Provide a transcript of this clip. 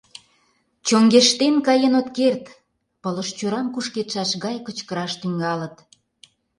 Чоҥештен каен от керт!.. — пылыш чорам кушкедшаш гай кычкыраш тӱҥалыт.